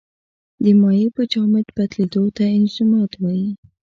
د مایع په جامد بدلیدو ته انجماد وايي.